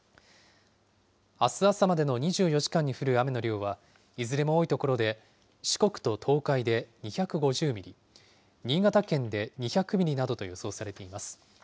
あす朝までの２４時間に降る雨の量は、いずれも多い所で、四国と東海で２５０ミリ、新潟県で２００ミリなどと予想されています。